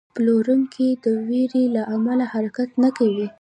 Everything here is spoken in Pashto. پلورونکی د ویرې له امله حرکت نه کوي.